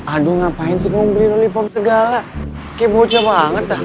aduh ngapain sih ngumpulin lollipop segala kayak bocah banget lah